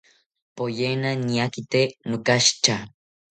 Poyena niatakite nokashitya